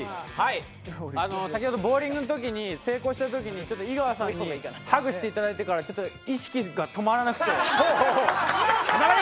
先ほどボウリングのときに成功したときに井川さんにハグしてもらってから意識が止まらなくて。